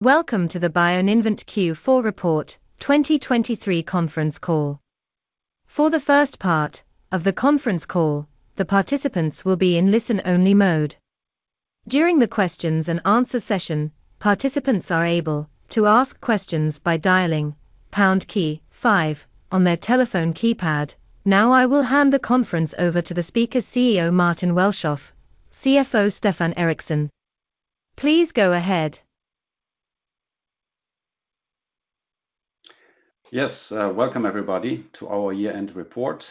Welcome to the BioInvent's Q4 Report 2023 conference call. For the first part of the conference call, the participants will be in listen-only mode. During the questions and answer session, participants are able to ask questions by dialing pound key five on their telephone keypad. Now, I will hand the conference over to the speaker, CEO Martin Welschof, CFO Stefan Eriksson. Please go ahead. Yes, welcome everybody, to our year-end report,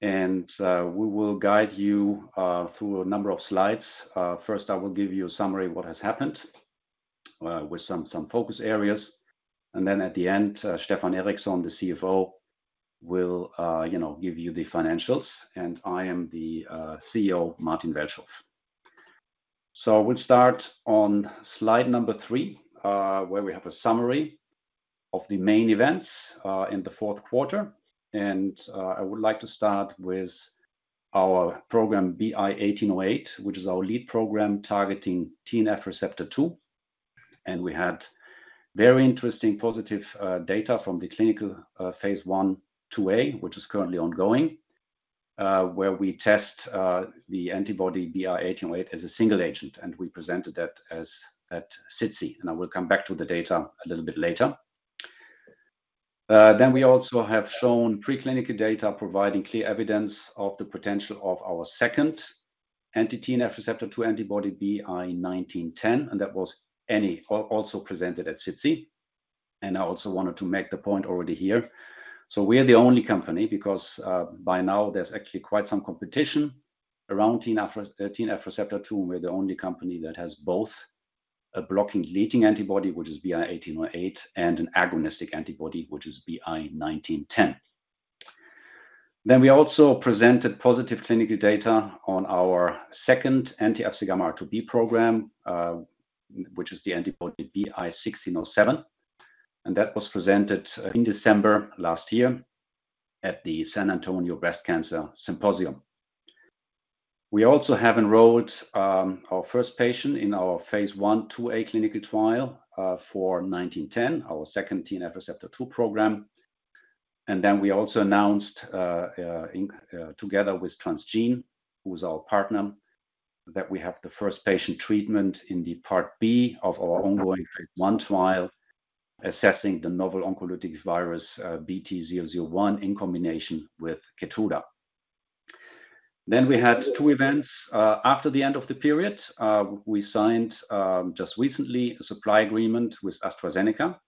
and, we will guide you, through a number of slides. First, I will give you a summary of what has happened, with some focus areas, and then at the end, Stefan Eriksson, the CFO, will, you know, give you the financials. I am the CEO, Martin Welschof. So we'll start on slide number 3, where we have a summary of the main events, in the fourth quarter. I would like to start with our program, BI-1808, which is our lead program targeting TNF receptor 2. We had very interesting positive data from the clinical phase 1/2a, which is currently ongoing, where we test the antibody BI-1808 as a single agent, and we presented that as... at SITC, and I will come back to the data a little bit later. Then we also have shown preclinical data providing clear evidence of the potential of our second anti-TNF receptor two antibody BI-1910, and that was also presented at SITC, and I also wanted to make the point already here. So we are the only company because, by now, there's actually quite some competition around TNF, TNF receptor two. We're the only company that has both a blocking leading antibody, which is BI-1808, and an agonistic antibody, which is BI-1910. Then we also presented positive clinical data on our second anti-Fc gamma RIIb program, which is the antibody BI-1607, and that was presented in December last year at the San Antonio Breast Cancer Symposium. We also have enrolled our first patient in our phase 1/2a clinical trial for BI-1910, our second TNF receptor 2 program. Then we also announced together with Transgene, who is our partner, that we have the first patient treatment in the part B of our ongoing phase I trial, assessing the novel oncolytic virus BT-001 in combination with KEYTRUDA. Then we had two events after the end of the period. We signed just recently a supply agreement with AstraZeneca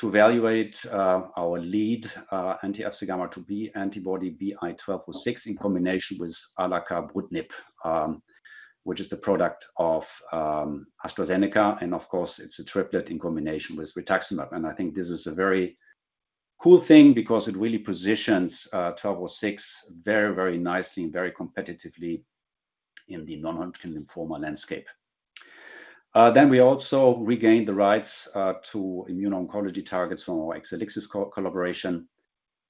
to evaluate our lead anti-FcγRIIb antibody BI-1206 in combination with acalabrutinib, which is the product of AstraZeneca, and of course, it's a triplet in combination with rituximab. I think this is a very cool thing because it really positions 1206 very, very nicely and very competitively in the non-Hodgkin's lymphoma landscape. Then we also regained the rights to immuno-oncology targets from our Exelixis co-collaboration.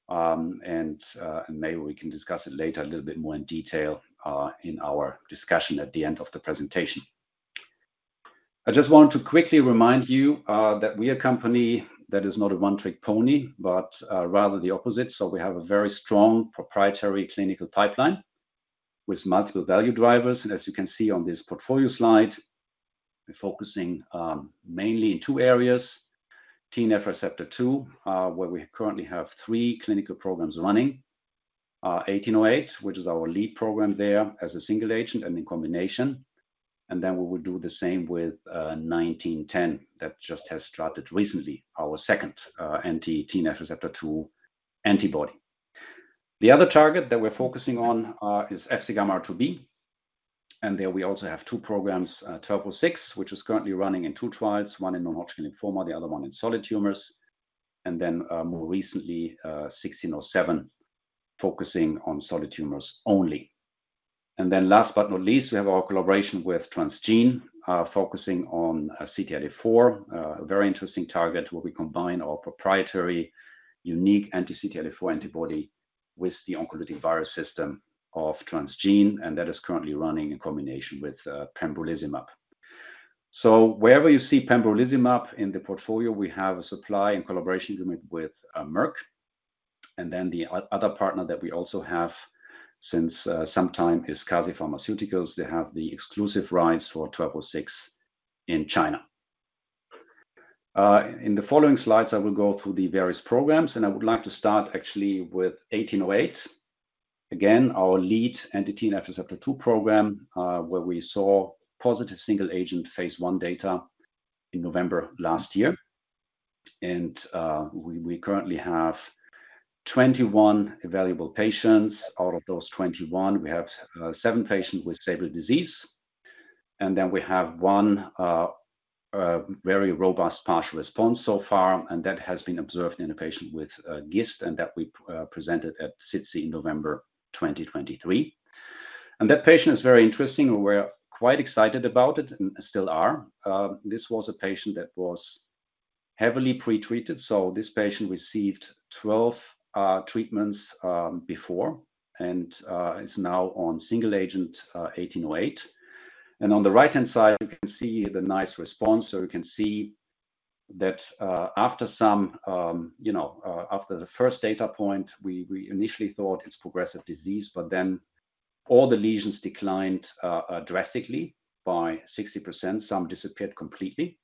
And maybe we can discuss it later a little bit more in detail in our discussion at the end of the presentation. I just want to quickly remind you that we are a company that is not a one-trick pony, but rather the opposite. We have a very strong proprietary clinical pipeline with multiple value drivers. As you can see on this portfolio slide, we're focusing mainly in two areas, TNF receptor two, where we currently have three clinical programs running. 1808, which is our lead program there as a single agent and in combination. And then we will do the same with 1910. That just has started recently, our second anti-TNF receptor two antibody. The other target that we're focusing on is FcγRIIb, and there we also have two programs, 1206, which is currently running in two trials, one in non-Hodgkin's lymphoma, the other one in solid tumors, and then more recently 1607, focusing on solid tumors only. And then last but not least, we have our collaboration with Transgene, focusing on CTLA-4, a very interesting target where we combine our proprietary, unique anti-CTLA-4 antibody with the oncolytic virus system of Transgene, and that is currently running in combination with pembrolizumab. So wherever you see pembrolizumab in the portfolio, we have a supply and collaboration with Merck. And then the other partner that we also have since sometime is CASI Pharmaceuticals. They have the exclusive rights for 1206 in China. In the following slides, I will go through the various programs, and I would like to start actually with 1808. Again, our lead anti-TNF receptor 2 program, where we saw positive single-agent phase I data in November last year. We currently have 21 evaluable patients. Out of those 21, we have seven patients with stable disease, and then we have one very robust partial response so far, and that has been observed in a patient with GIST, and that we presented at SITC in November 2023. That patient is very interesting, and we're quite excited about it and still are. This was a patient that was heavily pre-treated, so this patient received 12 treatments before, and is now on single agent 1808. On the right-hand side, you can see the nice response. So you can see that, after some, you know, after the first data point, we initially thought it's progressive disease, but then all the lesions declined drastically by 60%, some disappeared completely.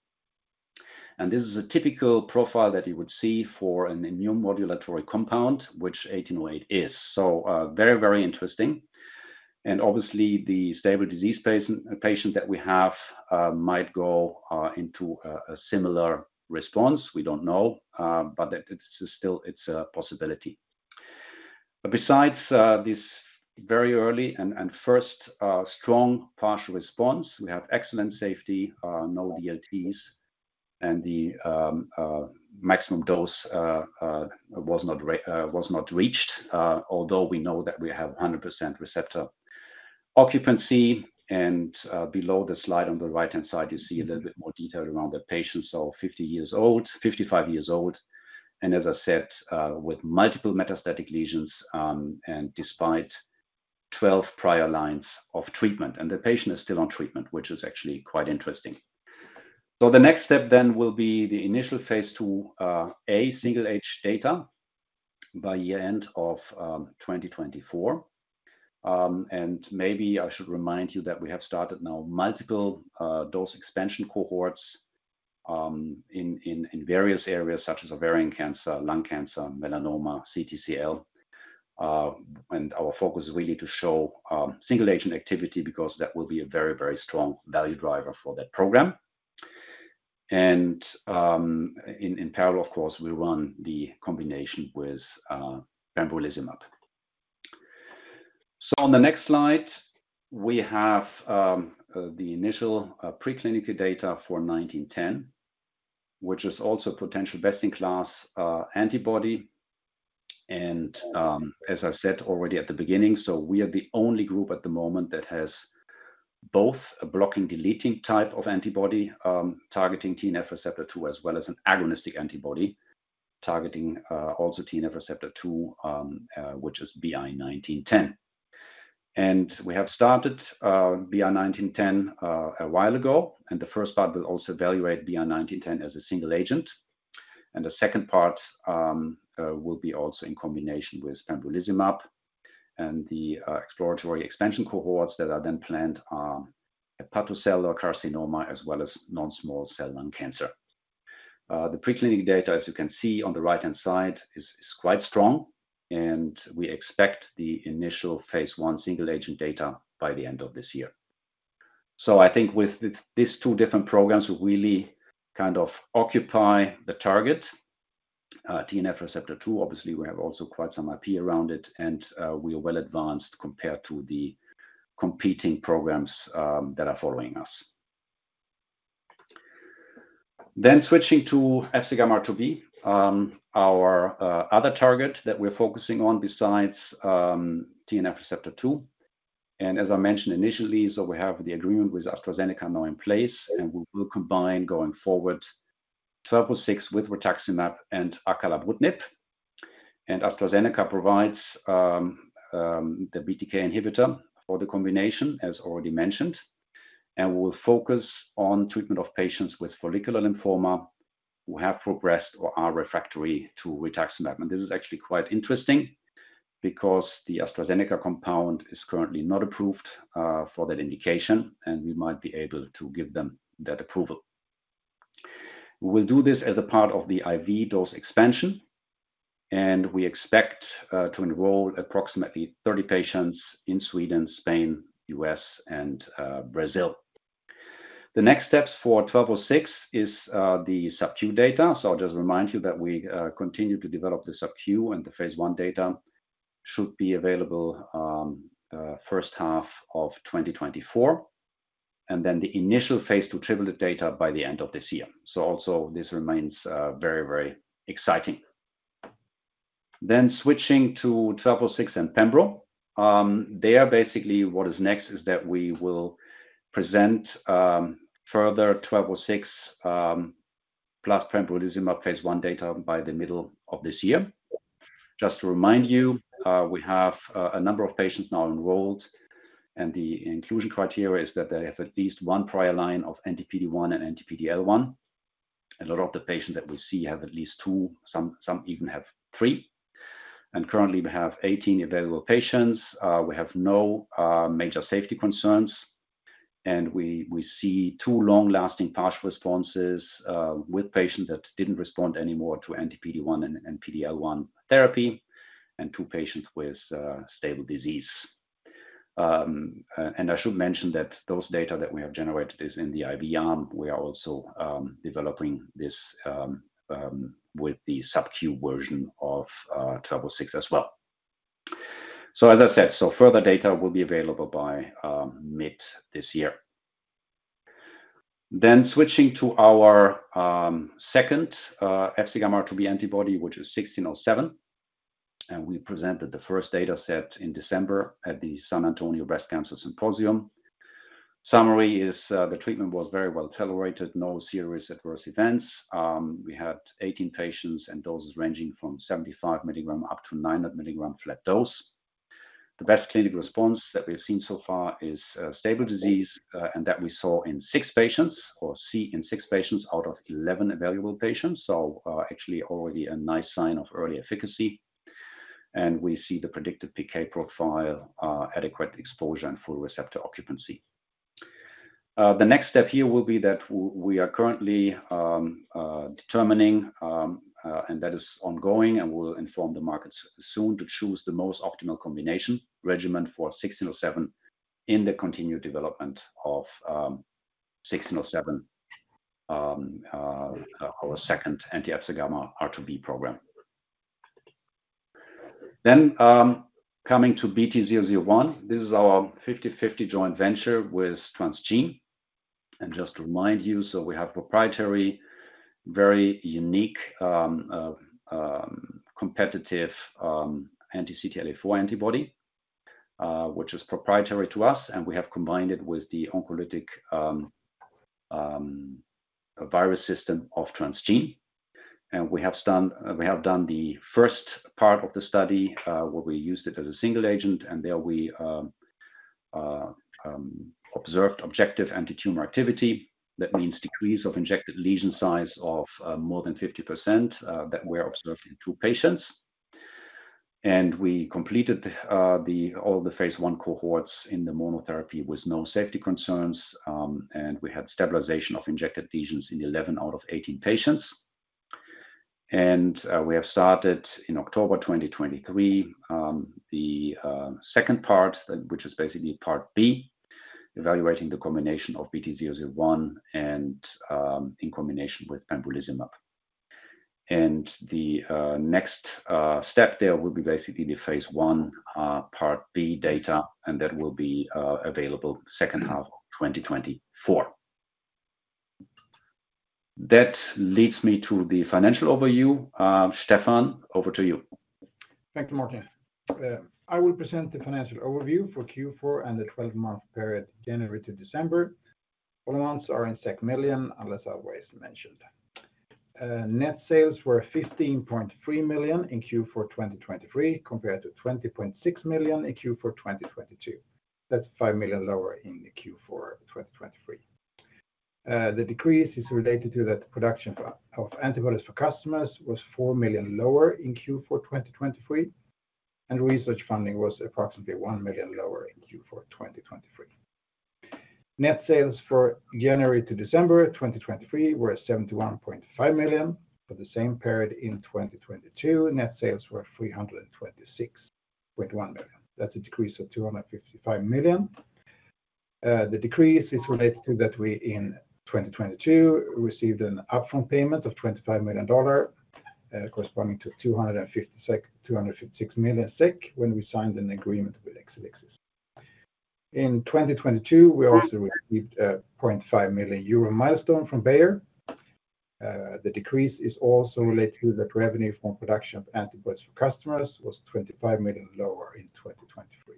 This is a typical profile that you would see for an immunomodulatory compound, which 1808 is. Very, very interesting. Obviously, the stable disease patient that we have might go into a similar response, we don't know, but that it's still a possibility. Besides this very early and first strong partial response, we have excellent safety, no DLTs, and the maximum dose was not reached, although we know that we have 100% receptor occupancy. Below the slide on the right-hand side, you see a little bit more detail around the patient. So 50 years old... 55 years old, and as I said, with multiple metastatic lesions, and despite 12 prior lines of treatment, and the patient is still on treatment, which is actually quite interesting. So the next step then will be the initial phase II a single-agent data by the end of 2024. And maybe I should remind you that we have started now multiple dose expansion cohorts in various areas such as ovarian cancer, lung cancer, melanoma, CTCL. And our focus is really to show single-agent activity because that will be a very, very strong value driver for that program. And in parallel, of course, we run the combination with pembrolizumab. So on the next slide, we have the initial preclinical data for BI-1910, which is also potential best-in-class antibody. And as I've said already at the beginning, so we are the only group at the moment that has both a blocking, deleting type of antibody targeting TNF receptor 2, as well as an agonistic antibody targeting also TNF receptor 2, which is BI-1910. And we have started BI-1910 a while ago, and the first part will also evaluate BI-1910 as a single agent. And the second part will be also in combination with pembrolizumab and the exploratory expansion cohorts that are then planned, hepatocellular carcinoma, as well as non-small cell lung cancer. The preclinical data, as you can see on the right-hand side, is quite strong, and we expect the initial phase 1 single-agent data by the end of this year. So I think with these two different programs, we really kind of occupy the target, TNF Receptor 2. Obviously, we have also quite some IP around it, and we are well advanced compared to the competing programs that are following us. Then switching to FcγRIIB, our other target that we're focusing on besides TNF Receptor 2. And as I mentioned initially, so we have the agreement with AstraZeneca now in place, and we will combine going forward BI-1206 with rituximab and acalabrutinib. AstraZeneca provides the BTK inhibitor for the combination, as already mentioned, and we will focus on treatment of patients with follicular lymphoma who have progressed or are refractory to rituximab. This is actually quite interesting because the AstraZeneca compound is currently not approved for that indication, and we might be able to give them that approval. We will do this as a part of the IV dose expansion, and we expect to enroll approximately 30 patients in Sweden, Spain, U.S., and Brazil. The next steps for BI-1206 is the sub-Q data. I'll just remind you that we continue to develop the sub-Q, and the phase 1 data should be available first half of 2024, and then the initial phase 2 triplet data by the end of this year. Also this remains very, very exciting. Then switching to BI-1206 and pembro. They are basically what is next is that we will present further BI-1206 plus pembrolizumab phase 1 data by the middle of this year. Just to remind you, we have a number of patients now enrolled, and the inclusion criteria is that they have at least one prior line of anti-PD-1 and anti-PD-L1. A lot of the patients that we see have at least two, some even have three, and currently we have 18 available patients. We have no major safety concerns, and we see two long-lasting partial responses with patients that didn't respond anymore to anti-PD-1 and PD-L1 therapy, and two patients with stable disease. And I should mention that those data that we have generated is in the IV arm. We are also developing this with the sub-Q version of TROPO six as well. So as I said, so further data will be available by mid this year. Then switching to our second FcγRIIB antibody, which is 1607, and we presented the first dataset in December at the San Antonio Breast Cancer Symposium. Summary is, the treatment was very well tolerated, no serious adverse events. We had 18 patients, and doses ranging from 75 mg up to 900 mg flat dose. The best clinical response that we've seen so far is stable disease, and that we saw in 6 patients or see in six patients out of 11 evaluable patients. So, actually already a nice sign of early efficacy, and we see the predicted PK profile, adequate exposure and full receptor occupancy. The next step here will be that we are currently determining, and that is ongoing, and we'll inform the markets soon to choose the most optimal combination regimen for BI-1607 in the continued development of BI-1607, our second anti-FcγRIIB program. Then, coming to BT-001, this is our 50/50 joint venture with Transgene. And just to remind you, so we have proprietary, very unique, competitive, anti-CTLA-4 antibody, which is proprietary to us, and we have combined it with the oncolytic virus system of Transgene. And we have done the first part of the study, where we used it as a single agent, and there we observed objective antitumor activity. That means decrease of injected lesion size of more than 50% that we're observing in two patients. And we completed all the phase I cohorts in the monotherapy with no safety concerns, and we had stabilization of injected lesions in 11 out of 18 patients. And we have started in October 2023 the second part, which is basically part B, evaluating the combination of BT-001 and in combination with pembrolizumab. And the next step there will be basically the phase I part B data, and that will be available second half of 2024. That leads me to the financial overview. Stefan, over to you. Thank you, Martin. I will present the financial overview for Q4 and the twelve-month period, January to December. All amounts are in million, unless otherwise mentioned. Net sales were 15.3 million in Q4 2023, compared to 20.6 million in Q4 2022. That's 5 million lower in Q4 2023. The decrease is related to that production of antibodies for customers was 4 million lower in Q4 2023, and research funding was approximately 1 million lower in Q4 2023. Net sales for January to December 2023 were 71.5 million, for the same period in 2022, net sales were 326.1 million. That's a decrease of 255 million. The decrease is related to that we, in 2022, received an upfront payment of $25 million, corresponding to 256 million SEK, when we signed an agreement with Exelixis. In 2022, we also received 0.5 million euro milestone from Bayer. The decrease is also related to that revenue from production of antibodies for customers was 25 million SEK lower in 2023.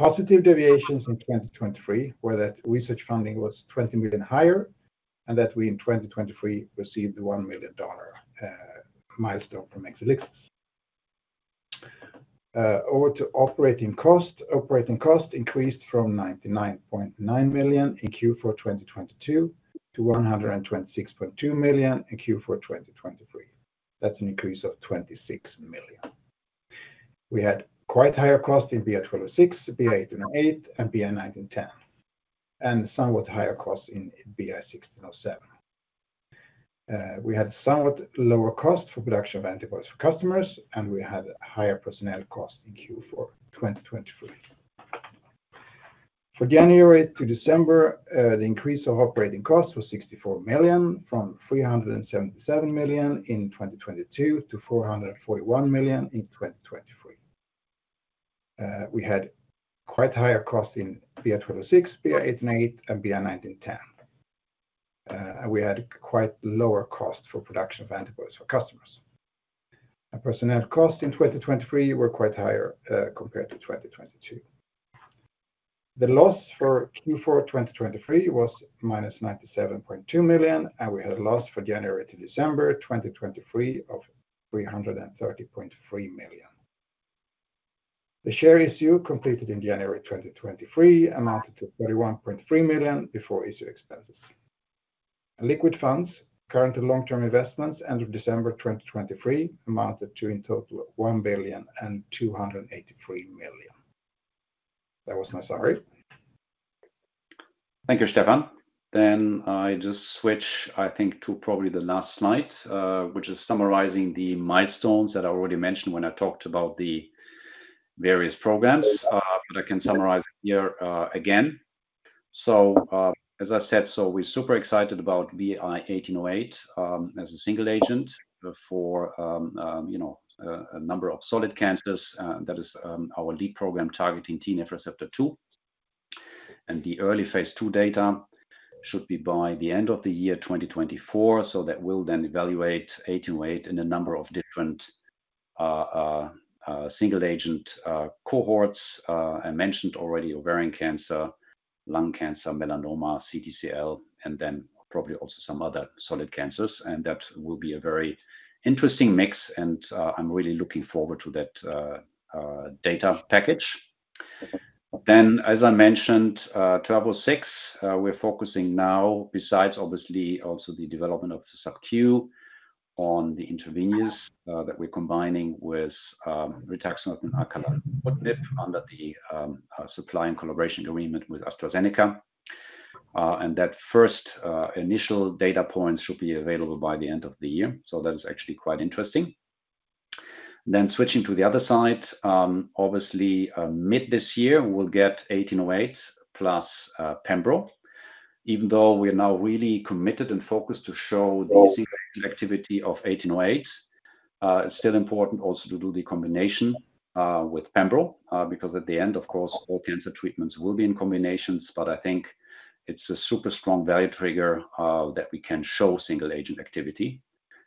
Positive deviations in 2023 were that research funding was 20 million SEK higher, and that we, in 2023, received the $1 million milestone from Exelixis. Over to operating cost. Operating cost increased from 99.9 million SEK in Q4 2022-126.2 million SEK in Q4 2023. That's an increase of 26 million SEK. We had quite higher cost in BI-1206, BI-1808, and BI-1910, and somewhat higher costs in BI-1607. We had somewhat lower cost for production of antibodies for customers, and we had higher personnel costs in Q4 2023. For January to December, the increase of operating costs was 64 million, from 377 million in 2022-SEK 441 million in 2023. We had quite higher costs in BI-1206, BI-1808, and BI-1910. And we had quite lower costs for production of antibodies for customers. Personnel costs in 2023 were quite higher, compared to 2022. The loss for Q4 2023 was -97.2 million, and we had a loss for January to December 2023 of -303.3 million. The share issue completed in January 2023 amounted to 31.3 million before issue expenses. Liquid funds, current and long-term investments end of December 2023, amounted to in total 1,283 million. That was my summary. Thank you, Stefan. Then I just switch, I think, to probably the last slide, which is summarizing the milestones that I already mentioned when I talked about the various programs. But I can summarize here, again. So, as I said, so we're super excited about BI-1808, as a single agent for, you know, a number of solid cancers, that is, our lead program targeting TNF receptor 2. And the early phase II data should be by the end of the year, 2024. So that will then evaluate BI-1808 in a number of different, single agent, cohorts. I mentioned already ovarian cancer, lung cancer, melanoma, CTCL, and then probably also some other solid cancers, and that will be a very interesting mix, and I'm really looking forward to that data package. Then, as I mentioned, BI-1206, we're focusing now, besides obviously also the development of the sub Q on the intravenous that we're combining with rituximab and acalabrutinib under the supply and collaboration agreement with AstraZeneca. And that first initial data point should be available by the end of the year, so that is actually quite interesting. Then switching to the other side, obviously, mid this year, we'll get BI-1808 plus pembro, even though we're now really committed and focused to show the activity of BI-1808. It's still important also to do the combination with Pembro because at the end, of course, all cancer treatments will be in combinations. But I think it's a super strong value trigger that we can show single-agent activity.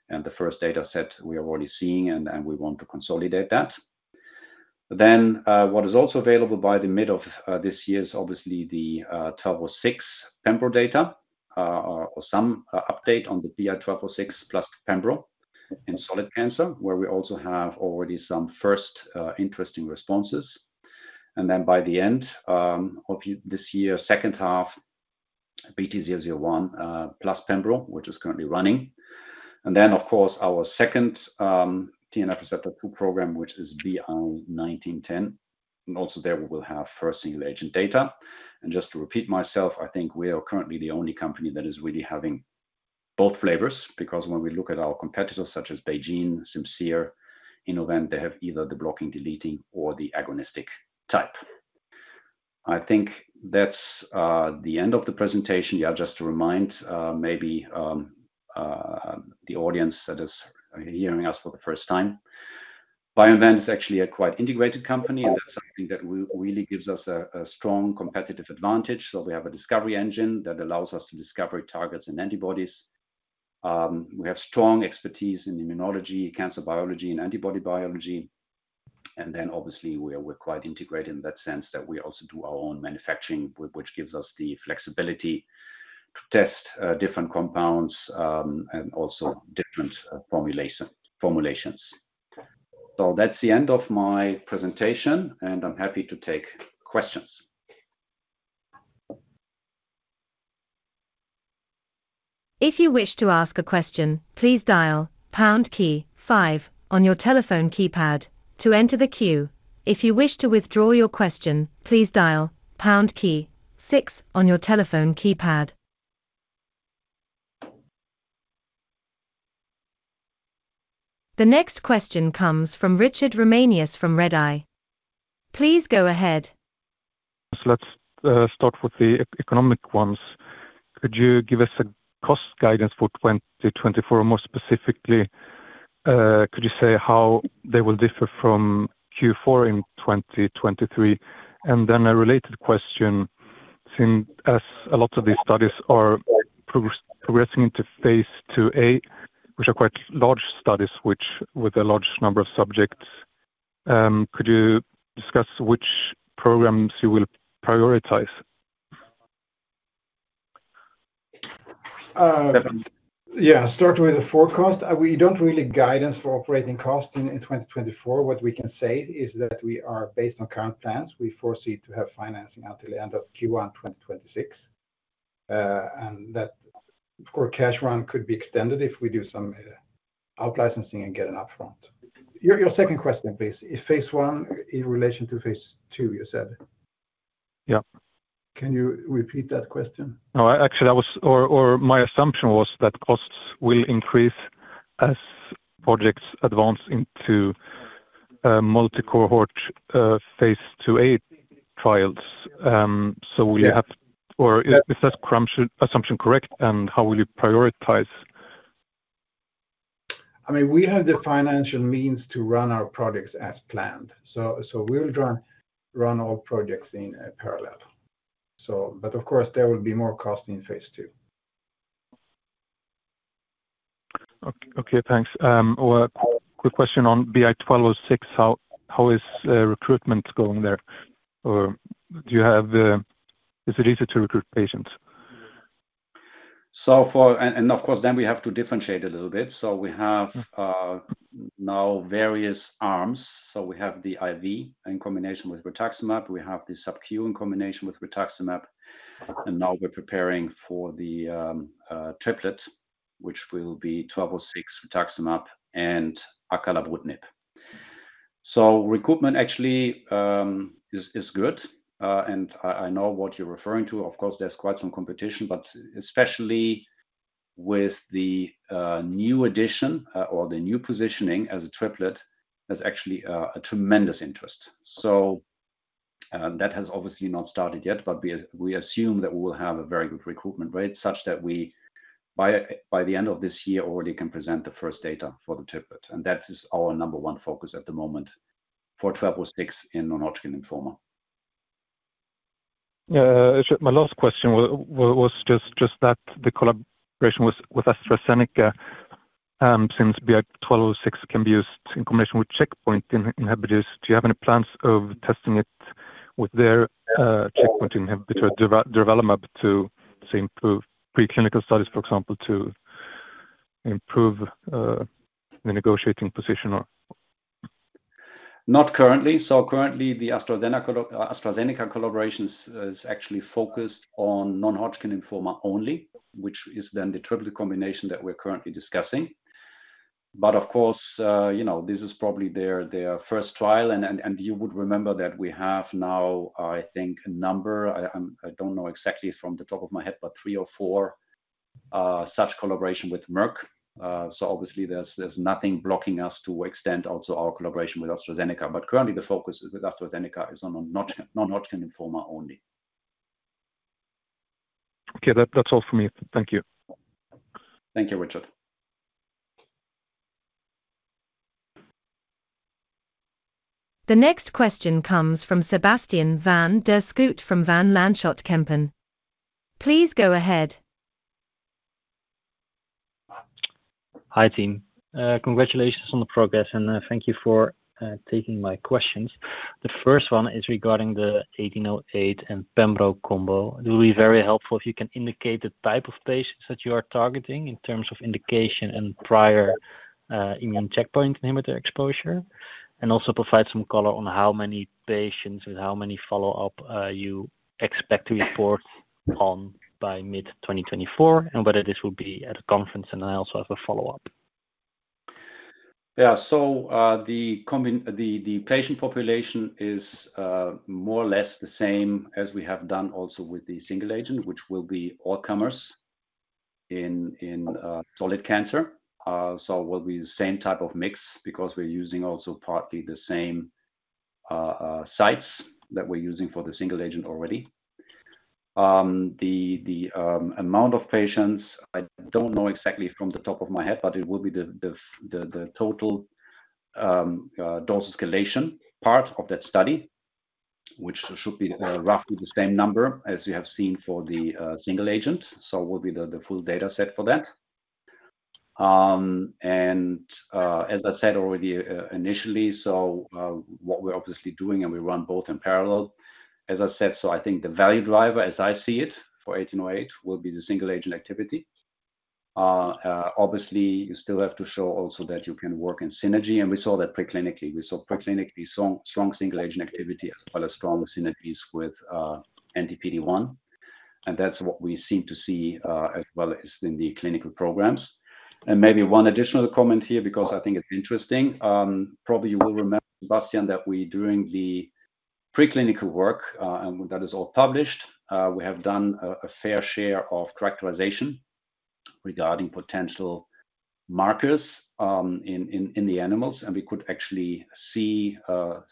And the first data set we are already seeing, and, and we want to consolidate that. Then, what is also available by the mid of this year is obviously the 1206 Pembro data or some update on the BI-1206 plus Pembro in solid cancer, where we also have already some first interesting responses. And then by the end of this year, second half, BT-001 plus Pembro, which is currently running. And then, of course, our second TNF receptor two program, which is BI-1910. Also there we will have first single-agent data. Just to repeat myself, I think we are currently the only company that is really having both flavors, because when we look at our competitors, such as BeiGene, Simcere, Innovent, they have either the blocking, deleting or the agonistic type. I think that's the end of the presentation. Yeah, just to remind, maybe the audience that is hearing us for the first time. BioInvent is actually a quite integrated company, and that's something that really gives us a strong competitive advantage. We have a discovery engine that allows us to discover targets and antibodies. We have strong expertise in immunology, cancer biology, and antibody biology. Then obviously, we are quite integrated in that sense that we also do our own manufacturing, which gives us the flexibility to test different compounds and also different formulations. So that's the end of my presentation, and I'm happy to take questions. If you wish to ask a question, please dial pound key five on your telephone keypad to enter the queue. If you wish to withdraw your question, please dial pound key six on your telephone keypad. The next question comes from Richard Raemaekers from Redeye. Please go ahead. Let's start with the economic ones. Could you give us a cost guidance for 2024? Or more specifically, could you say how they will differ from Q4 in 2023? And then a related question, since as a lot of these studies are progressing into phase IIa, which are quite large studies, which with a large number of subjects, could you discuss which programs you will prioritize? Yeah, start with the forecast. We don't really guidance for operating costs in 2024. Based on current plans, we foresee to have financing out till the end of Q1 2026. And that of course, cash run could be extended if we do some out licensing and get an upfront. Your second question, please, is phase one in relation to phase two, you said? Yeah. Can you repeat that question? No, actually, my assumption was that costs will increase as projects advance into multi-cohort phase 2a trials. So we have- Yeah. Or is that assumption correct, and how will you prioritize? I mean, we have the financial means to run our projects as planned, so we will run our projects in parallel. So, but of course, there will be more cost in phase two. Okay, thanks. Or quick question on BI-1206, how is recruitment going there? Or do you have, is it easy to recruit patients? And of course, then we have to differentiate a little bit. So we have now various arms. So we have the IV in combination with rituximab. We have the sub-Q in combination with rituximab, and now we're preparing for the triplet, which will be BI-1206, rituximab and acalabrutinib. So recruitment actually is good, and I know what you're referring to. Of course, there's quite some competition, but especially with the new addition or the new positioning as a triplet, there's actually a tremendous interest. So that has obviously not started yet, but we assume that we will have a very good recruitment rate such that we-... By the end of this year, already can present the first data for the triplet, and that is our number one focus at the moment for BI-1206 in non-Hodgkin's lymphoma. My last question was just that the collaboration with AstraZeneca, since BI-1206 can be used in combination with checkpoint inhibitors. Do you have any plans of testing it with their checkpoint inhibitor durvalumab to see improve preclinical studies, for example, to improve the negotiating position or? Not currently. So currently, the AstraZeneca-AstraZeneca collaboration is actually focused on non-Hodgkin's lymphoma only, which is then the triplet combination that we're currently discussing. But of course, you know, this is probably their first trial, and you would remember that we have now, I think, a number, I don't know exactly from the top of my head, but three or four such collaboration with Merck. So obviously there's nothing blocking us to extend also our collaboration with AstraZeneca. But currently, the focus with AstraZeneca is on non-Hodgkin's lymphoma only. Okay. That, that's all for me. Thank you. Thank you, Richard. The next question comes from Sebastian van der Schoot from Van Lanschot Kempen. Please go ahead. Hi, team. Congratulations on the progress, and thank you for taking my questions. The first one is regarding the BI-1808 and pembro combo. It will be very helpful if you can indicate the type of patients that you are targeting in terms of indication and prior immune checkpoint inhibitor exposure, and also provide some color on how many patients and how many follow-up you expect to report on by mid-2024, and whether this will be at a conference, and I also have a follow-up. Yeah. So, the patient population is more or less the same as we have done also with the single agent, which will be all comers in solid cancer. So will be the same type of mix because we're using also partly the same sites that we're using for the single agent already. The amount of patients, I don't know exactly from the top of my head, but it will be the total dose escalation part of that study, which should be roughly the same number as you have seen for the single agent. So will be the full data set for that. And, as I said already, initially, so, what we're obviously doing, and we run both in parallel, as I said, so I think the value driver, as I see it, for 1808, will be the single agent activity. Obviously, you still have to show also that you can work in synergy, and we saw that pre-clinically. We saw pre-clinically, strong, strong single-agent activity, as well as strong synergies with, anti-PD-1, and that's what we seem to see, as well as in the clinical programs. And maybe one additional comment here, because I think it's interesting. Probably you will remember, Sebastian, that we doing the preclinical work, and that is all published. We have done a fair share of characterization regarding potential markers in the animals, and we could actually see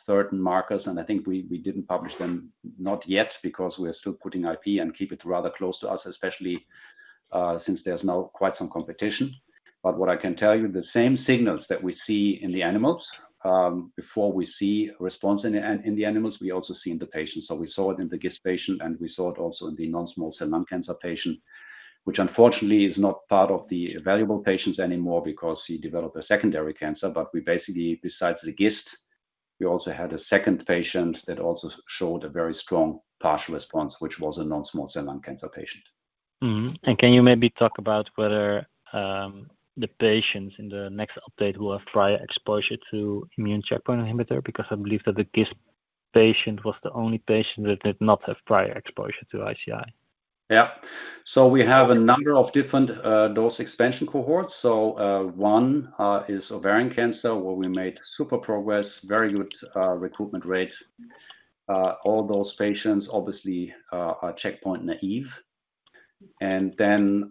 certain markers, and I think we didn't publish them, not yet, because we are still putting IP and keep it rather close to us, especially since there's now quite some competition. But what I can tell you, the same signals that we see in the animals before we see response in the animals, we also see in the patients. So we saw it in the GIST patient, and we saw it also in the non-small cell lung cancer patient, which unfortunately is not part of the valuable patients anymore because he developed a secondary cancer. We basically, besides the GIST, we also had a second patient that also showed a very strong partial response, which was a Non-Small Cell Lung Cancer patient. Mm-hmm. Can you maybe talk about whether the patients in the next update will have prior exposure to immune checkpoint inhibitor? Because I believe that the GIST patient was the only patient that did not have prior exposure to ICI. Yeah. So we have a number of different, dose expansion cohorts. So, one, is ovarian cancer, where we made super progress, very good, recruitment rate. All those patients obviously, are checkpoint-naive, and then,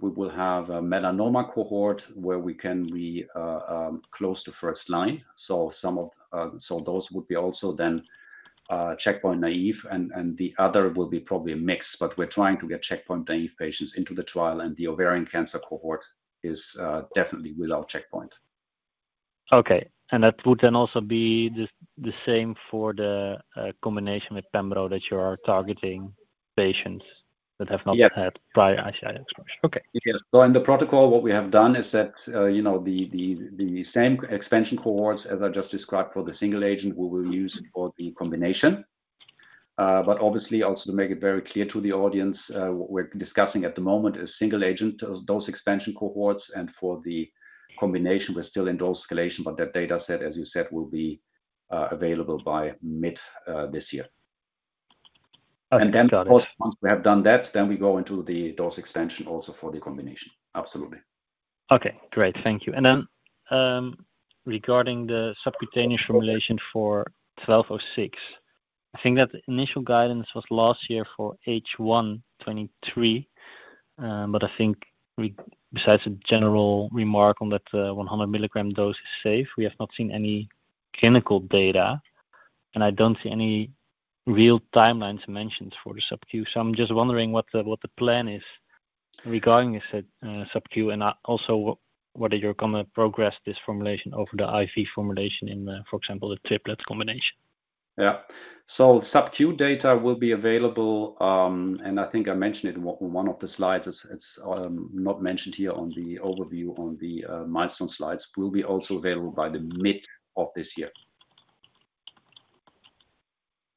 we will have a melanoma cohort where we can close the first line. So some of, so those would be also then, checkpoint-naive, and, and the other will be probably a mix, but we're trying to get checkpoint-naive patients into the trial, and the ovarian cancer cohort is, definitely without checkpoint. Okay. And that would then also be the, the same for the, combination with pembro, that you are targeting patients that have not- Yeah had prior ICI exposure. Okay. Yes. So in the protocol, what we have done is that, you know, the same expansion cohorts as I just described for the single agent, we will use for the combination. But obviously also to make it very clear to the audience, what we're discussing at the moment is single agent dose expansion cohorts, and for the combination, we're still in dose escalation, but that data set, as you said, will be available by mid this year. Okay, got it. Then, of course, once we have done that, then we go into the dose extension also for the combination. Absolutely. Okay, great. Thank you. And then, regarding the subcutaneous formulation for BI-1206, I think that the initial guidance was last year for H1 2023, but I think besides the general remark on that, one hundred milligram dose is safe, we have not seen any clinical data.... and I don't see any real timelines mentioned for the sub-Q. So I'm just wondering what the, what the plan is regarding this, sub-Q, and, also what are your common progress, this formulation over the IV formulation in, for example, the triplets combination? Yeah. So sub-Q data will be available, and I think I mentioned it in one of the slides. It's not mentioned here on the overview on the milestone slides and will also be available by the mid of this year.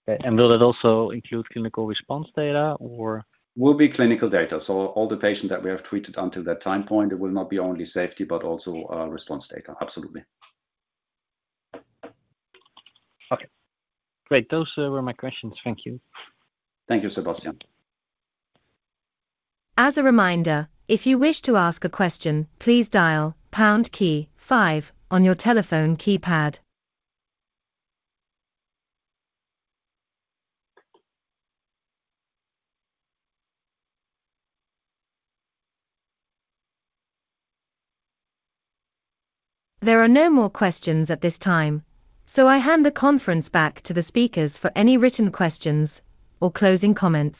Okay, and will it also include clinical response data or? Will be clinical data. So all the patients that we have treated until that time point, it will not be only safety, but also, response data. Absolutely. Okay, great. Those were my questions. Thank you. Thank you, Sebastian. As a reminder, if you wish to ask a question, please dial pound key five on your telephone keypad. There are no more questions at this time, so I hand the conference back to the speakers for any written questions or closing comments.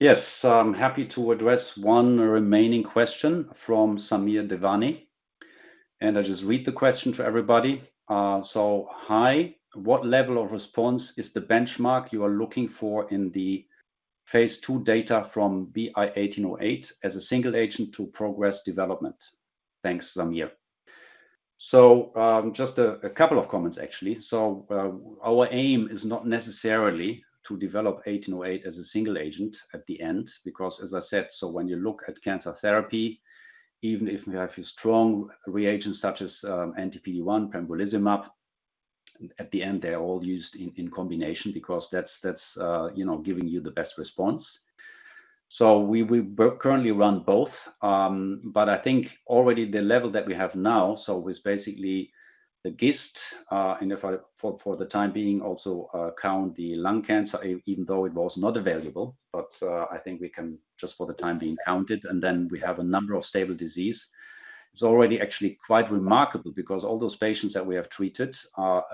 Yes, I'm happy to address one remaining question from Samir Devani, and I'll just read the question for everybody. So, "Hi, what level of response is the benchmark you are looking for in the phase 2 data from BI-1808 as a single agent to progress development? Thanks, Samir." So, just a couple of comments, actually. So, our aim is not necessarily to develop BI-1808 as a single agent at the end, because as I said, so when you look at cancer therapy, even if we have a strong regimen such as anti-PD-1 pembrolizumab, at the end, they're all used in combination because that's you know, giving you the best response. So we currently run both. But I think already the level that we have now, so with basically the GIST, and if for the time being, also count the lung cancer, even though it was not available. I think we can just for the time being, count it, and then we have a number of stable disease. It's already actually quite remarkable because all those patients that we have treated are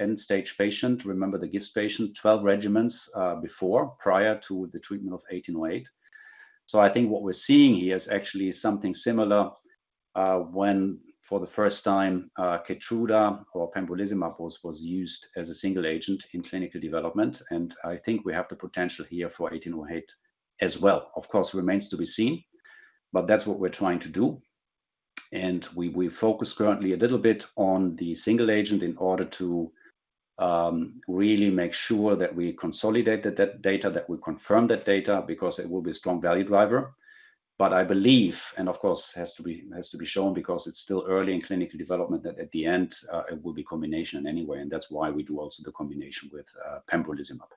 end-stage patients. Remember the GIST patient, 12 regimens before, prior to the treatment of BI-1808. So I think what we're seeing here is actually something similar when for the first time Keytruda or pembrolizumab was used as a single agent in clinical development, and I think we have the potential here for BI-1808 as well. Of course, it remains to be seen, but that's what we're trying to do. And we, we focus currently a little bit on the single agent in order to really make sure that we consolidated that data, that we confirm that data, because it will be a strong value driver. But I believe, and of course, has to be shown because it's still early in clinical development, that at the end it will be combination anyway, and that's why we do also the combination with pembrolizumab.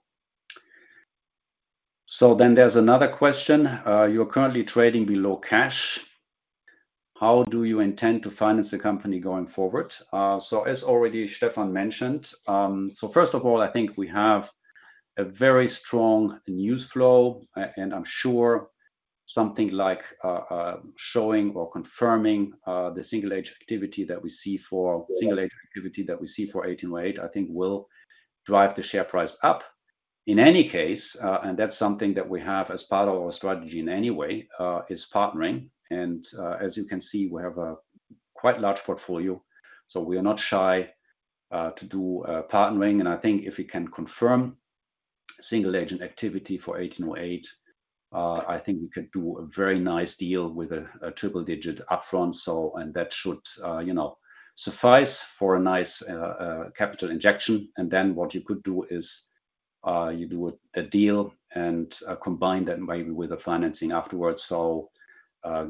So then there's another question. "You're currently trading below cash. How do you intend to finance the company going forward?" So as already Stefan mentioned, so first of all, I think we have a very strong news flow, and I'm sure something like showing or confirming the single agent activity that we see for 1808, I think will drive the share price up. In any case, and that's something that we have as part of our strategy in any way, is partnering. And as you can see, we have a quite large portfolio, so we are not shy to do partnering. And I think if we can confirm single agent activity for 1808, I think we could do a very nice deal with a triple-digit upfront. And that should, you know, suffice for a nice capital injection. And then what you could do is, you do a deal and combine that maybe with the financing afterwards. So,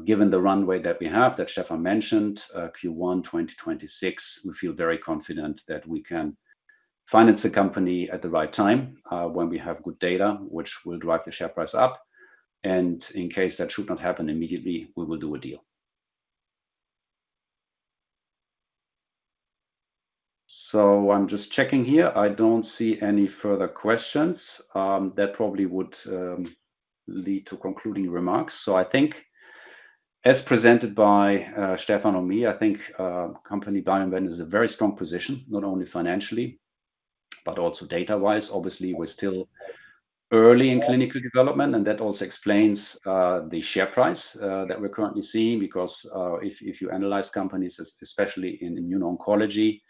given the runway that we have, that Stefan mentioned, Q1 2026, we feel very confident that we can finance the company at the right time, when we have good data, which will drive the share price up. And in case that should not happen immediately, we will do a deal. So I'm just checking here. I don't see any further questions that probably would lead to concluding remarks. So I think as presented by Stefan and me, I think company BioInvent is a very strong position, not only financially, but also data-wise. Obviously, we're still early in clinical development, and that also explains the share price that we're currently seeing. Because if you analyze companies, especially in immuno-oncology,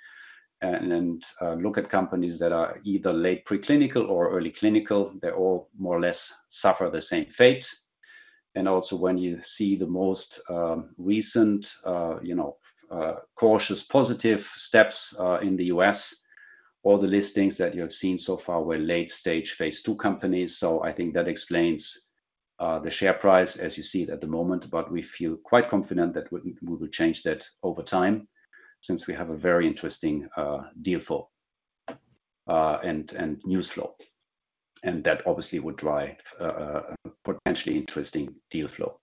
and look at companies that are either late preclinical or early clinical, they all more or less suffer the same fate. And also when you see the most recent, you know, cautious, positive steps in the U.S., all the listings that you have seen so far were late-stage phase 2 companies. So I think that explains the share price as you see it at the moment. But we feel quite confident that we will change that over time, since we have a very interesting deal flow and news flow, and that obviously would drive a potentially interesting deal flow.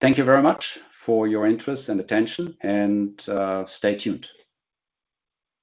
Thank you very much for your interest and attention, and stay tuned.